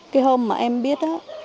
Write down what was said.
cái hôm mà em biết á